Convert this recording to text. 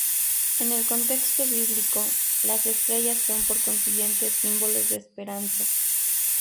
En el contexto bíblico, las estrellas son por consiguiente símbolos de esperanza.